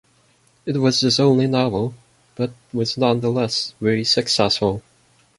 It was his only novel, but was nonetheless very successful.